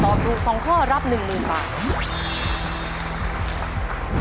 ตอบถูก๒ข้อรับ๑มือบาท